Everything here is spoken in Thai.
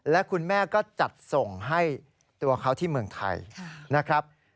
และคุณแม่ก็จัดส่งให้ตัวเขาที่เมืองไทยนะครับ